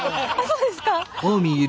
そうですか⁉